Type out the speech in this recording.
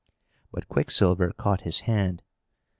But Quicksilver caught his hand.